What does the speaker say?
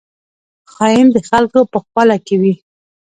خاین د خلکو په خوله کې وي